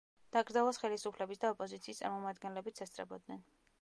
დაკრძალვას ხელისუფლების და ოპოზიციის წარმომადგენლებიც ესწრებოდნენ.